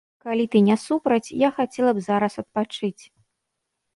Калі ты не супраць, я хацела б зараз адпачыць